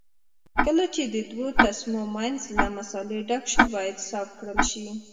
کله چې د دوو تسمو منځ له مسالې ډک شو باید صاف کړل شي.